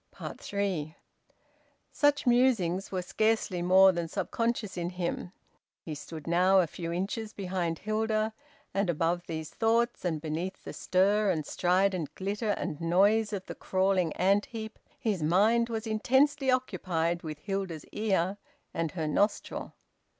THREE. Such musings were scarcely more than subconscious in him. He stood now a few inches behind Hilda, and, above these thoughts, and beneath the stir and strident glitter and noise of the crawling ant heap, his mind was intensely occupied with Hilda's ear and her nostril.